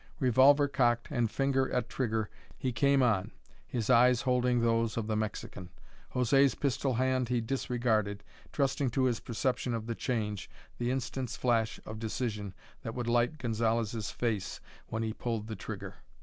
Revolver cocked and finger at trigger he came on, his eyes holding those of the Mexican. José's pistol hand he disregarded, trusting to his perception of the change, the instant's flash of decision, that would light Gonzalez's face when he pulled the trigger.